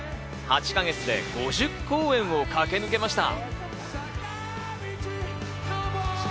８か月で５０公演を駆け抜けました。